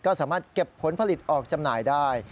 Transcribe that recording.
ก็สามารถเก็บผลผลิตออกจำหน่ายได้